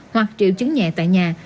hoặc triệu chứng nhẹ tại nhà